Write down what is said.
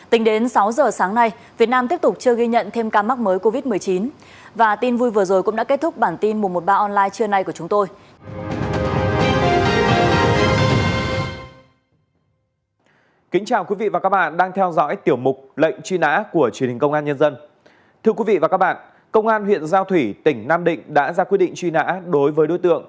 tính đến sáu giờ sáng nay việt nam tiếp tục chưa ghi nhận thêm ca mắc mới covid một mươi chín